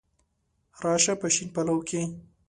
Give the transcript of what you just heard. را شه په شین پلو کي